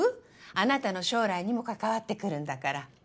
あなたの将来にも関わってくるんだから。